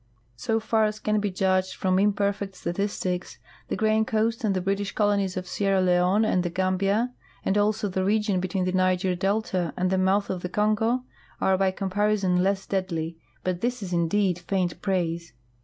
So far as can be judged 6 THE GOLD COAST, ASHANTI, AND KUMASSI from imperfect statistics, the Grain coast and the British colo nies of Sierra Leone and the Gambia, and also the region be tween the Niger delta and the mouth of the Kongo, are by com parison less deadly, but this is indeed faint praise.